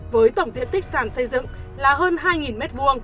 với tổng diện tích sàn xây dựng là hơn hai m hai